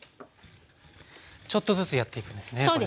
ちょっとずつやっていくんですねこれは。